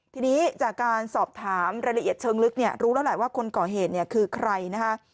ทีนี้จากการสอบถามรายละเอียดเชิงลึกรู้แล้วหลายว่าคนก่อเหตุคือใคร